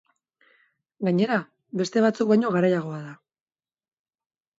Gainera, beste batzuk baino garaiagoa da.